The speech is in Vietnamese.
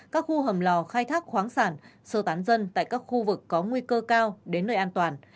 các khu hầm lò khai thác khoáng sản sơ tán dân tại các khu vực có nguy cơ cao đến nơi an toàn